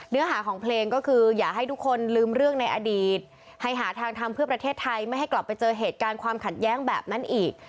เนื้อหาของเพลงก็คืออย่าให้ทุกคนลืมเรื่องในอดีตให้หาทางทำเพื่อประเทศไทยไม่ให้กลับไปเจอเหตุการณ์ความขัดแย้งแบบนั้นอีก